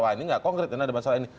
wah ini nggak konkret ini ada masalah ini